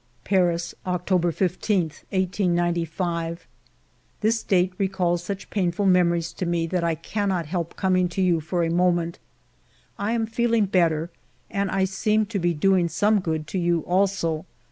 ... "Paris, October 15, 1895. "This date recalls such painful memories to me that I cannot help coming to you for a mo ment. I am feeling better, and I seem to be doing some good to you also.